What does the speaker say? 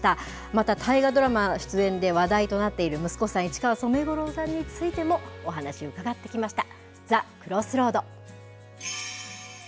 また、大河ドラマ出演で話題となっている息子さん、市川染五郎さんについても、お話伺ってきました。